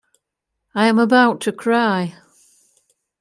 I am about to cry.